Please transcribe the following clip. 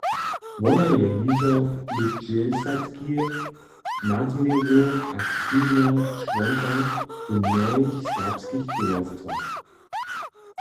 Wona je hižo lětdźesatki nadměru aktiwna čłonka w mnohich serbskich towarstwach.